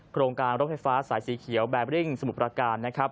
โครงการรถไฟฟ้าสายสีเขียวแบริ่งสมุทรประการนะครับ